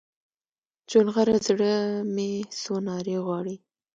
چونغره زړه مې څو نارې غواړي